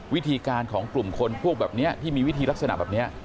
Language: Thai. วิธีการของกลุ่มคนพวกแบบนี้ที่มีวิธีลักษณะแบบนี้